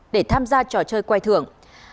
để tham gia trò chơi quay thưởng